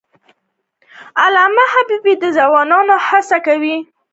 علامه حبیبي د ځوانانو هڅونه کوله چې مطالعه وکړي.